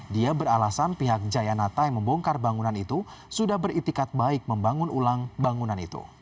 dia beralasan pihak jayanata yang membongkar bangunan itu sudah beritikat baik membangun ulang bangunan itu